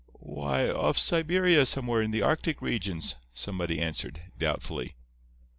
"Why, off Siberia somewhere in the Arctic regions," somebody answered, doubtfully.